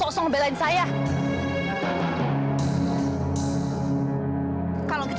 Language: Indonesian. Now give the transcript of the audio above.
aku ingat pernah memberikan kalung itu